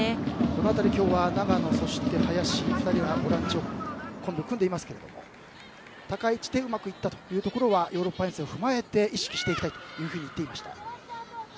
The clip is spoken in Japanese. その辺り、今日は長野と林２人はボランチでコンビを組んでいますが高い位置でうまくいったというところはヨーロッパ遠征を踏まえて意識していきたいと言っていました。